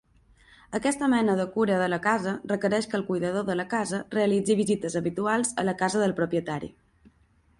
Aquesta mena de cura de la casa requereix que el cuidador de la casa realitzi visites habituals a la casa del propietari.